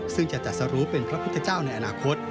ซึ่งจะจัดสรุเป็นพระพุทธเจ้าในอนาคต